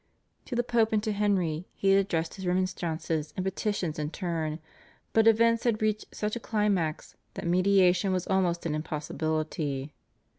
To the Pope and to Henry he had addressed his remonstrances and petitions in turn, but events had reached such a climax that mediation was almost an impossibility.